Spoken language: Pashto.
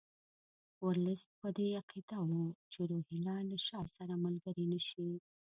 ورلسټ په دې عقیده وو چې روهیله له شاه سره ملګري نه شي.